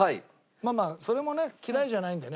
まあまあそれもね嫌いじゃないんでね